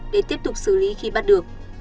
để tiếp tục xử lý khi bắt được